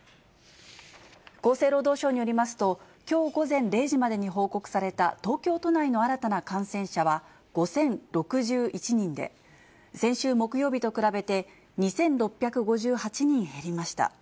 厚生労働省によりますと、きょう午前０時までに報告された東京都内の新たな感染者は５０６１人で、先週木曜日と比べて２６５８人減りました。